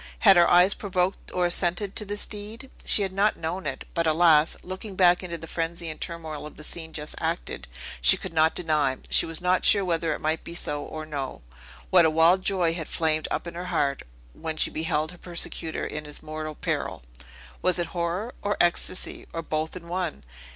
Had her eyes provoked or assented to this deed? She had not known it. But, alas! looking back into the frenzy and turmoil of the scene just acted, she could not deny she was not sure whether it might be so, or no that a wild joy had flamed up in her heart, when she beheld her persecutor in his mortal peril. Was it horror? or ecstasy? or both in one?